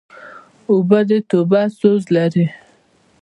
اوبه د توبه سوز لري.